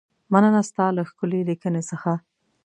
مننه ستا له ښکلې لیکنې څخه.